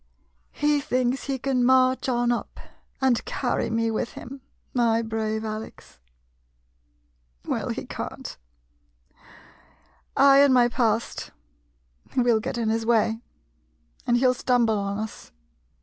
He thinks he can march on up, and carry me with him, my brave Alex. Well — he can't ! I and my past — we '11 get in his way, and he '11 stumble on us.